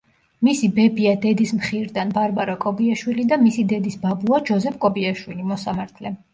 მისი ბებია დედის მხირდან, ბარბარა კობიაშვილი და მისი დედის ბაბუა ჯოზეფ კობიაშვილი, მოსამართლე.